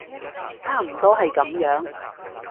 差唔多係噉樣